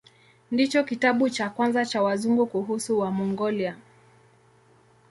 Ndicho kitabu cha kwanza cha Wazungu kuhusu Wamongolia.